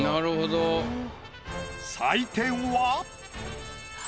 採点は。